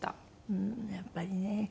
うんやっぱりね。